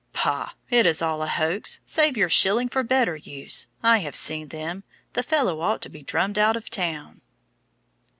"Pah! it is all a hoax; save your shilling for better use. I have seen them; the fellow ought to be drummed out of town."